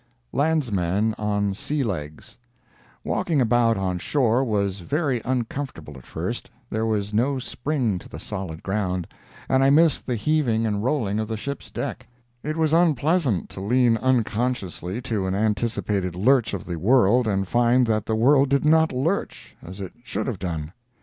LANDSMEN ON "SEA LEGS" Walking about on shore was very uncomfortable at first; there was no spring to the solid ground, and I missed the heaving and rolling of the ship's deck; it was unpleasant to lean unconsciously to an anticipated lurch of the world and find that the world did not lurch, as it should have done.